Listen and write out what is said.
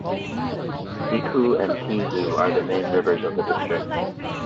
Dikhu and Tizu are the main rivers of the district.